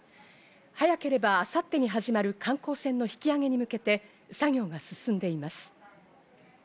早ければ明後日に始まる観光船の引き揚げに向けて作業が進んでいます。